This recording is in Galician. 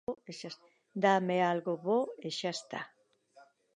Dáme algo bo e xa está!